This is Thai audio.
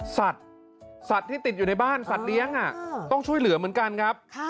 สัตว์สัตว์ที่ติดอยู่ในบ้านสัตว์เลี้ยงต้องช่วยเหลือเหมือนกันครับ